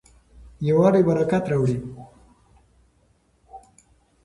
یووالی برکت راوړي.